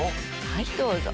はいどうぞ。